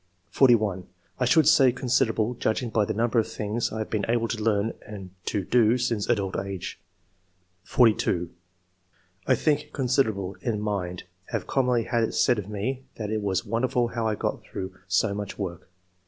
41. "I should say considerable, judging by the number of things I have been able to learn and to do since adult age." 42. *'I think considerable, in mind. Have commonly had it said of me that it was wonderful how I got through so much work.